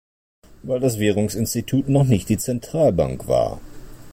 Weil das Währungsinstitut noch nicht die Zentralbank war.